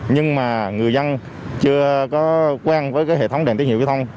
nhưng mà người dân chưa có quen với hệ thống đèn tín hiệu giao thông